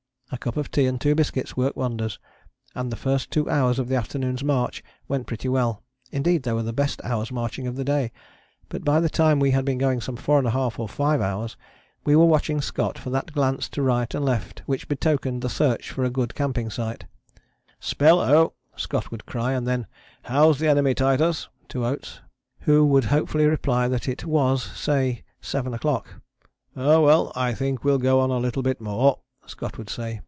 A cup of tea and two biscuits worked wonders, and the first two hours of the afternoon's march went pretty well, indeed they were the best hours' marching of the day; but by the time we had been going some 4½ or 5 hours we were watching Scott for that glance to right and left which betokened the search for a good camping site. "Spell oh!" Scott would cry, and then "How's the enemy, Titus?" to Oates, who would hopefully reply that it was, say, seven o'clock. "Oh, well, I think we'll go on a little bit more," Scott would say.